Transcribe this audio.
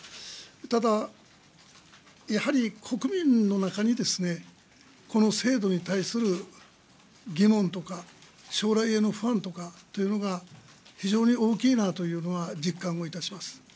ただ、やはり国民の中に、この制度に対する疑問とか、将来への不安とかというのが非常に大きいなというのは、実感をいたします。